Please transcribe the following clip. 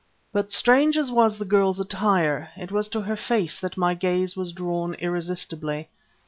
But strange as was the girl's attire, it was to her face that my gaze was drawn irresistibly.